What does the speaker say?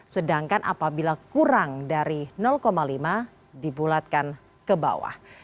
sedangkan apabila kurang dari lima dibulatkan ke bawah